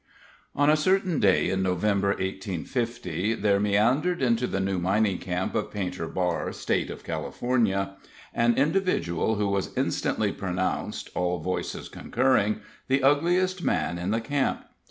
On a certain day in November, 1850, there meandered into the new mining camp of Painter Bar, State of California, an individual who was instantly pronounced, all voices concurring, the ugliest man in the camp.